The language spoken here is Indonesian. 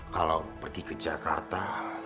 kalau pergi ke jakarta